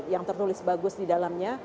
yang tertulis bagus di dalamnya